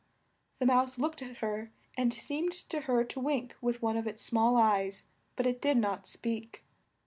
The Mouse looked at her and seemed to her to wink with one of its small eyes, but it did not speak.